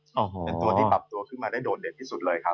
เป็นตัวที่ปรับตัวขึ้นมาได้โดดเด่นที่สุดเลยครับ